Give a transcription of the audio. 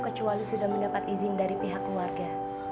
kecuali sudah mendapat izin dari pihak keluarga